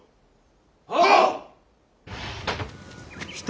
はっ！